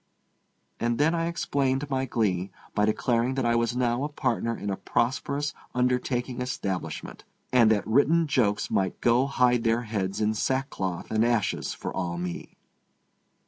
And then I explained my glee by declaring that I was now a partner in a prosperous undertaking establishment, and that written jokes might go hide their heads in sackcloth and ashes for all me.